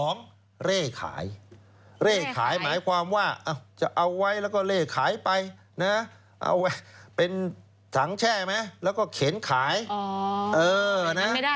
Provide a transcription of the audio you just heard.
นั่นไม่ได้เหมือนกัน